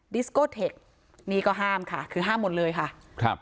ดิสโกเทคนี่ก็ห้ามค่ะคือห้ามหมดเลยค่ะครับ